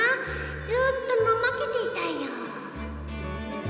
ずっと怠けていたいよ。